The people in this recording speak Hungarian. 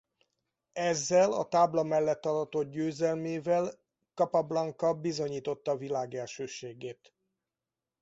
Ezzel a tábla mellett aratott győzelmével Capablanca bizonyította világelsőségét.